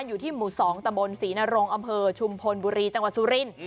อยู่ที่หมู่๒ตะบนศรีนรงอำเภอชุมพลบุรีจังหวัดสุรินทร์